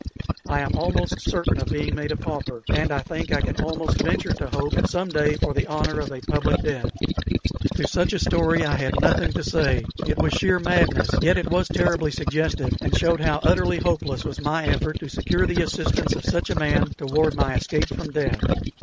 I am almost certain of being made a pauper, and I think I can almost venture to hope some day for the honor of a public death." To such a story I had nothing to say. It was sheer madness; yet it was terribly suggestive, and showed how utterly hopeless was my effort to secure the assistance of such a man toward my escape from death.